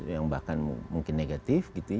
yang bahkan mungkin negatif